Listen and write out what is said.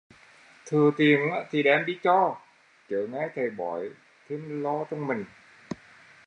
Thừa tiền thì đem đi cho, chớ nghe thầy bói thêm lo trong mình